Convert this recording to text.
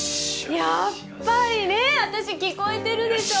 やっぱりねっ私聞こえてるでしょう？